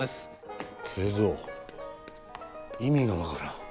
圭三意味が分からん。